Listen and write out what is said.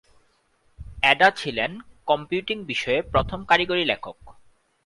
Ada ছিলেন computing বিষয়ে প্রথম কারিগরি লেখক।